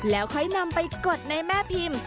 แล้วค่อยนำไปกดในแม่พิมพ์